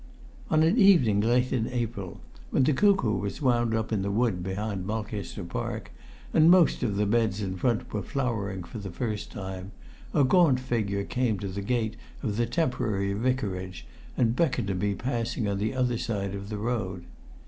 On an evening late in April, when the cuckoo was wound up in the wood behind Mulcaster Park, and most of the beds in front were flowering for the first time, a gaunt figure came to the gate of the temporary vicarage and beckoned to me passing on the other side of the road.